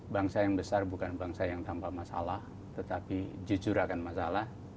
bangsa yang besar bukan bangsa yang tanpa masalah tetapi jujur akan masalah